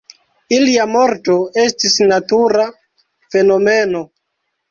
Ilia morto estis natura fenomeno.